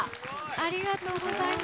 ありがとうございます。